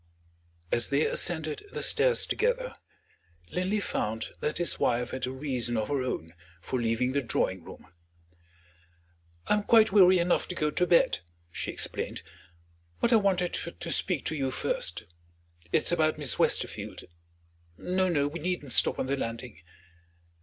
As they ascended the stairs together, Linley found that his wife had a reason of her own for leaving the drawing room. "I am quite weary enough to go to bed," she explained. "But I wanted to speak to you first. It's about Miss Westerfield. (No, no, we needn't stop on the landing.)